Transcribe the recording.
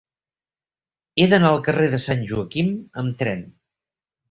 He d'anar al carrer de Sant Joaquim amb tren.